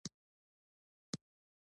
زما د پايليک موضوع